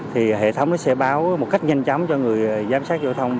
thì hệ thống sẽ báo một cách nhanh chóng cho người giám sát giao thông